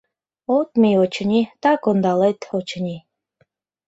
От мий, очыни, так ондалет, очыни?..